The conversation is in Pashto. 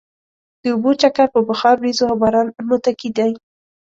د اوبو چکر په بخار، ورېځو او باران متکي دی.